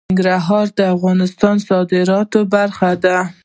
ننګرهار د افغانستان د صادراتو برخه ده.